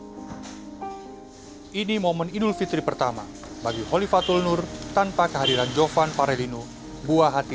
hai ini momen idul fitri pertama bagi holifatul nur tanpa kehadiran jofan paredino buah hati